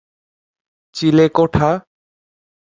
তবে, টিভিতে ধারণকৃত চিত্রে এলবিডব্লিউ’র সিদ্ধান্তটি সন্দেহজনক ছিল।